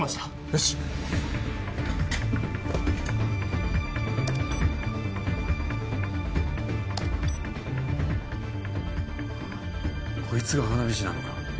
よしこいつが花火師なのか？